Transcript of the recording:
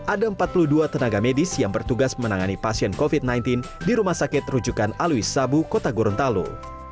ada empat puluh dua tenaga medis yang bertugas menangani pasien covid sembilan belas di rumah sakit rujukan alwi sabu kota gorontalo